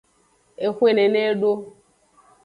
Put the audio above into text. Exwe nene edo.